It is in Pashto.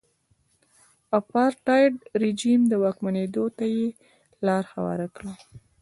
د اپارټاید رژیم واکمنېدو ته یې لار هواره کړه.